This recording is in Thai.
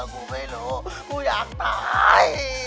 กูไม่รู้กูอยากตาย